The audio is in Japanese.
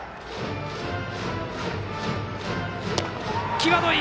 際どい！